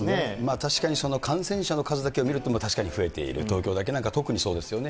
確かに感染者の数だけを見ると確かに増えている、東京だけなんか特にそうですよね。